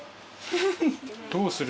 どうする？